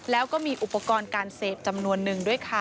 แล้วก็มีอุปกรณ์การเสพจำนวนนึงด้วยค่ะ